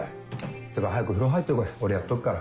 ってか早く風呂入って来い俺やっとくから。